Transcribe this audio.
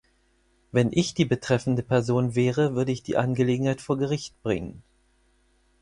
Wenn ich die betreffende Person wäre, würde ich die Angelegenheit vor Gericht bringen.